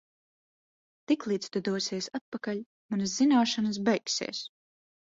Tiklīdz tu dosies atpakaļ, manas zināšanas beigsies.